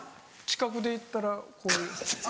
近くでいったらこういう。